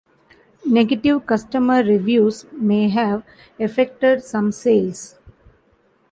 Negative customer reviews may have effected some sales.